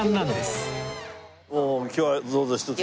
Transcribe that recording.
今日はどうぞひとつ。